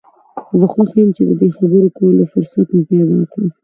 زه خوښ یم چې د دې خبرو کولو فرصت مې پیدا کړ.